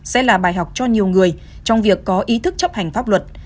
sẽ là bài học cho nhiều người trong việc có ý thức chấp hành pháp luật